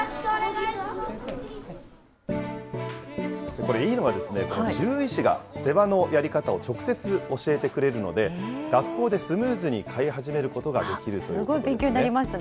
これいいのがですね、獣医師が世話のやり方を直接教えてくれるので、学校でスムーズに飼い始めることができるということなんですね。